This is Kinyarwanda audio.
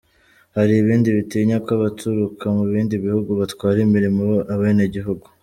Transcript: Hari ibindi bitinya ko abaturuka mu bindi bihugu batwara imirimo abenegihugu".